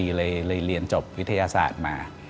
เลยเรียนจบวิทยาศาสตร์มา